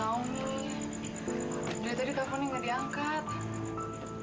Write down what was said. dari tadi teleponnya ga diangkat